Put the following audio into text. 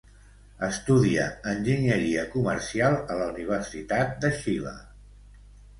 Estudia enginyeria comercial a la Universidad de Chile.